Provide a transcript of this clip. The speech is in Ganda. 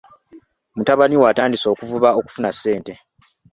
Mutabani we atandise okuvuba okufuna ssente.